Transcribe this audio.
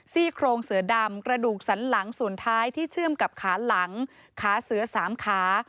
ซี่โครงเสือดำกระดูกสันหลังส่วนท้ายที่เชื่อมกับขาหลังขาเสือ๓ขา